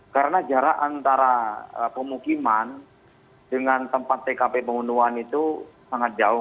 karena jarak antara pemukiman dengan tempat tkp pembunuhan itu sangat jauh